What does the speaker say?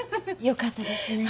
よかったですね。